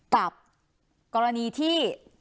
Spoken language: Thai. กับกรณีที่